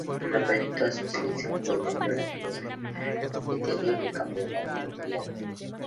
Representó a su selección juvenil durante dos años, compitiendo en el Campeonato Mundial.